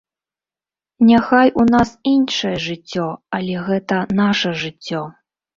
Няхай у нас іншае жыццё, але гэта наша жыццё.